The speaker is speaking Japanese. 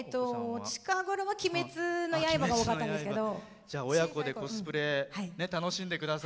近頃は「鬼滅の刃」が多かったですけど。